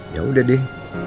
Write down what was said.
ya udah deh